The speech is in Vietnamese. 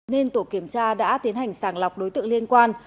nên tổ kiểm tra đã tiến hành sàng lọc đối tượng liên quan